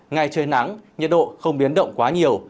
ngày trời nắng nhiệt độ không biến động quá nhiều